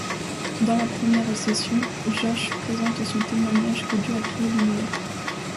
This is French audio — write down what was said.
Dans la première session, Josh présente son témoignage que Dieu a créé l'univers.